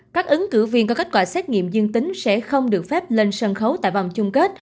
các ứng cử viên có kết quả xét nghiệm dương tính sẽ không được phép lên sân khấu tại vòng chung kết